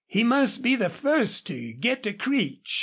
He must be the first to get to Creech.